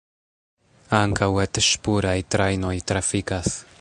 Ankaŭ et-ŝpuraj trajnoj trafikas.